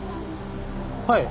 はい。